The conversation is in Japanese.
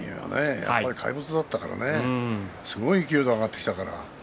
やっぱり怪物だったからすごい勢いで上がってきたから。